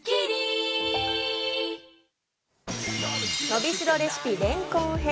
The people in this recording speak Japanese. のびしろレシピれんこん編。